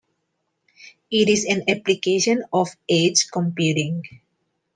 It is an application of edge computing.